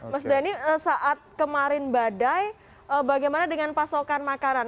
mas dhani saat kemarin badai bagaimana dengan pasokan makanan